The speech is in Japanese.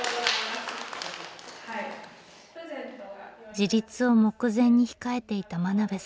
自立を目前に控えていた真鍋さん。